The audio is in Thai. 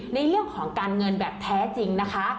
ในเรื่องของการเงินแบบแท้จริงนะคะ